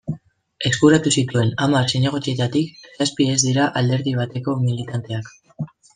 Eskuratu zituen hamar zinegotzietatik, zazpi ez dira alderdi bateko militanteak.